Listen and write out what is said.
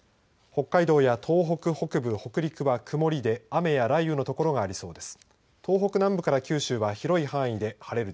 北海道や東北北部、北陸は曇りで雨や雷雨の所がありそうです。